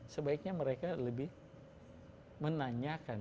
sebaiknya mereka lebih menanyakan